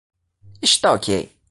Está ok